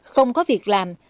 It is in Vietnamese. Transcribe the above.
không có việc làm